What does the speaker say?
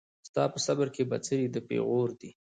ستا په صبر کي بڅری د پېغور دی